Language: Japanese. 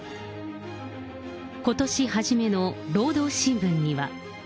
ことし初めの労働新聞には。